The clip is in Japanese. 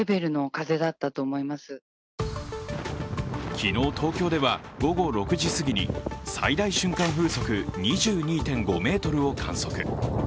昨日東京では午後６時すぎに最大瞬間風速２２．５メートルを観測。